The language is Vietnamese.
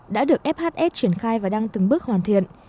đã được fhs triển khai và đang từng bước hoàn thiện